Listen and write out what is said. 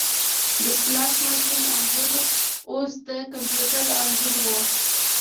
د سلاټ ماشین انځور اوس د کمپیوټر انځور و